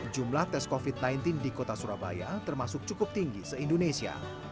jumlah tes covid sembilan belas di kota surabaya termasuk cukup tinggi se indonesia